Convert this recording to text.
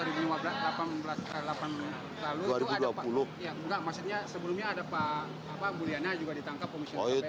enggak maksudnya sebelumnya ada pak buriana juga ditangkap komisioner kpu